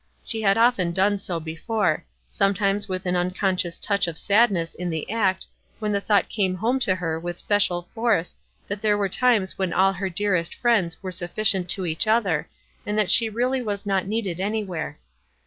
She had often done so before — some times with an unconscious touch of sadness in the act, when the thought came home to her with special force that there were times when all her dearest friends were sufficient to each other, and that she really w T as not needed any where.